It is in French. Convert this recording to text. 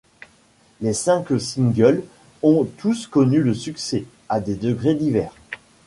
Les cinq singles ont tous connu le succès, à des degrés divers.